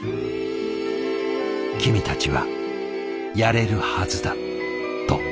「君たちはやれるはずだ」と。